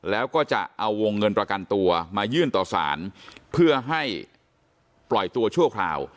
แล้วก็จะเอาวงเงินประกันตัวมายื่นต่อสารเพื่อให้ปล่อยตัวชั่วคราว